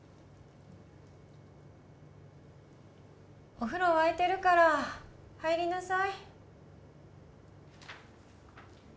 お風呂沸いてるから入りなさい